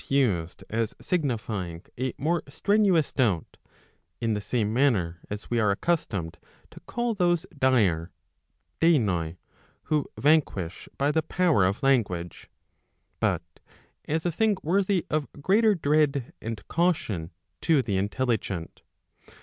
493 used as signifying a more strenuous doubt, in the same manner as we are accustomed to call those dire (8««t/oi) who vanquish by the power of language, but as a thing worthy of greater dread and caution to the intelligent.